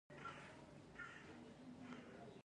ما ورته وویل: زما په نه موجودیت کې پر ځان پام کوه.